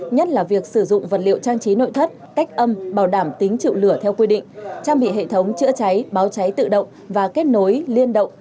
nhất là việc sử dụng vật liệu trang trí nội thất cách âm bảo đảm tính chịu lửa theo quy định trang bị hệ thống chữa cháy báo cháy tự động và kết nối liên động